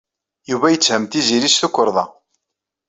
Yuba yetthem Tiziri s tukerḍa.